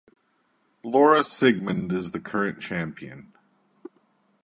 Laura Siegemund is the current champion.